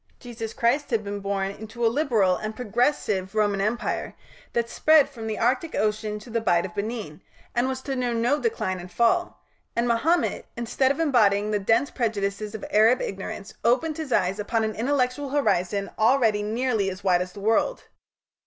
Jesus Christ had been born into a liberal and progressive Roman Empire that spread from the Arctic Ocean to the Bight of Benin, and was to know no Decline and Fall, and Mahomet, instead of embodying the dense prejudices of Arab ignorance, opened his eyes upon an intellectual horizon already nearly as wide as the world.